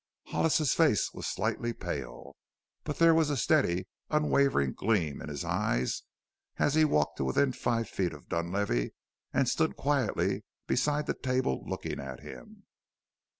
Hollis's face was slightly pale, but there was a steady, unwavering gleam in his eyes as he walked to within five feet of Dunlavey and stood quietly beside the table looking at him.